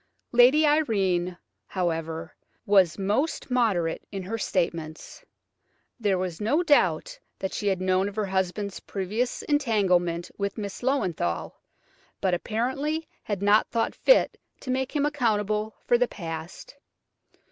Lady Irene, however, was most moderate in her statements. There was no doubt that she had known of her husband's previous entanglement with Miss Löwenthal, but apparently had not thought fit to make him accountable for the past.